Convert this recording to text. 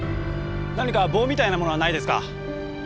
何か棒みたいなものはないですか？